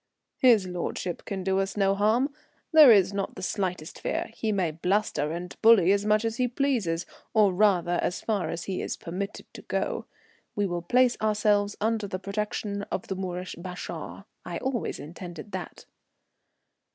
"His lordship can do us no harm. There is not the slightest fear. He may bluster and bully as much as he pleases, or rather, as far as he is permitted to go. We will place ourselves under the protection of the Moorish bashaw. I always intended that."